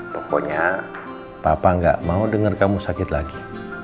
pokoknya papa gak mau dengar kamu sakit lagi